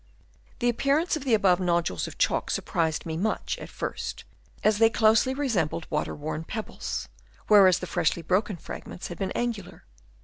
The appearance of the above nodules of chalk surprised me much at first, as they closely resembled water worn pebbles, whereas the freshly broken fragments had been angular.